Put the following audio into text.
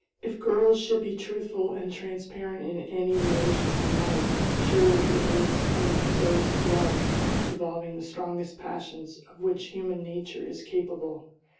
If girls should be truthful and transparent in any relations in life, surely it is in those of love, involving the strongest passions of which human nature is capable.